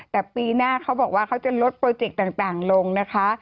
แต่ปีหน้าเขาบอกว่าเขาจะลดโปรเจกต์ต่างลงนะคะ